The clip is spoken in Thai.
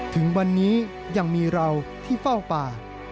ถึงวันนี้ยังมีเราที่เฝ้าป่า